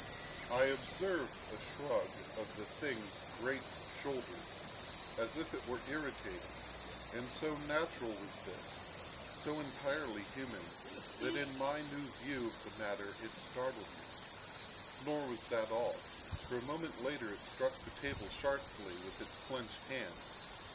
I observed a shrug of the thing's great shoulders, as if it were irritated: and so natural was this—so entirely human—that in my new view of the matter it startled me. Nor was that all, for a moment later it struck the table sharply with its clenched hand.